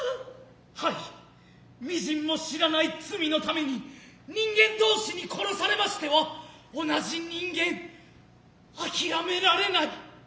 はい微塵も知らない罪のために人間同志に殺されましてはおなじ人間断念められない。